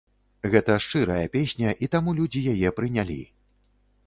Гэта шчырая песня, і таму людзі яе прынялі.